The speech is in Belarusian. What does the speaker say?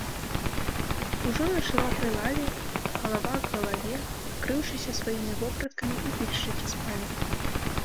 Ужо на шырокай лаве, галава к галаве, акрыўшыся сваімі вопраткамі, і пільшчыкі спалі.